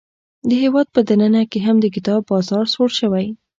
د هیواد په دننه کې هم د کتاب بازار سوړ شوی.